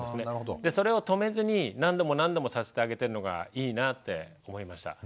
でそれを止めずに何度も何度もさせてあげてるのがいいなって思いました。